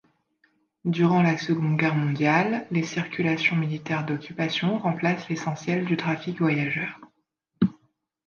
Durant la Seconde Guerre mondiale, les circulations militaires d'occupation remplacent l'essentiel du trafic voyageurs.